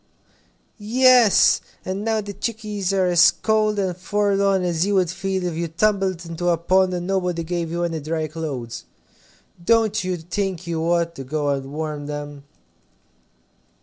"Yes. And now the chickies are as cold and forlorn as you would feel if you tumbled into a pond and nobody gave you any dry clothes. Don't you think you ought to go and warm them?"